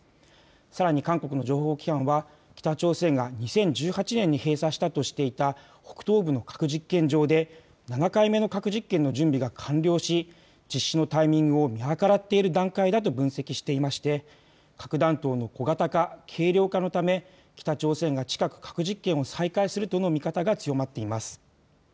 さらに韓国の情報機関は北朝鮮が２０１８年に閉鎖したとしていた北東部の核実験場で７回目の核実験の準備が完了し実施のタイミングを見計らっている段階だと分析していまして核弾頭の小型化、軽量化のため北朝鮮が近く核実験を再開するとの見方が強まっています。